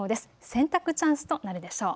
洗濯チャンスとなるでしょう。